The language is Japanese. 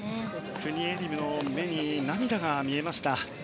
クニエリムの目に涙が見えました。